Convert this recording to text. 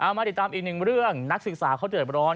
มาติดตามอีกหนึ่งเรื่องนักศึกษาเขาเดือดร้อน